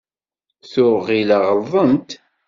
Tuɣ ɣilleɣ ɣelḍent.